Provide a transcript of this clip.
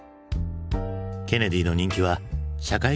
ケネディの人気は社会現象に。